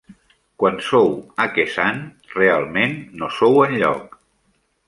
Quan sou a Khe Sanh, realment no sou enlloc.